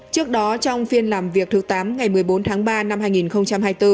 trước đó trong phiên làm việc thứ tám ngày một mươi bốn tháng ba năm hai nghìn hai mươi bốn